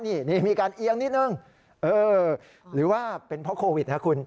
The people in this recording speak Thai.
นี่มีการเอียงนิดนึงเออหรือว่าเป็นเพราะโควิดนะคุณ